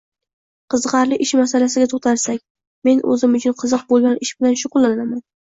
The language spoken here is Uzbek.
Qiziqarli ish masalasiga toʻxtalsak, men oʻzim uchun qiziq boʻlgan ish bilan shugʻullanaman